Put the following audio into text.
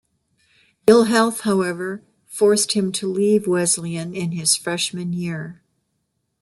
Ill health, however, forced him to leave Wesleyan in his freshman year.